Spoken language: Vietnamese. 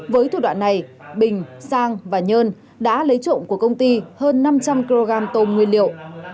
với thủ đoạn này bình sang và nhơn đã lấy trộm của công ty hơn năm trăm linh kg tôm nguyên liệu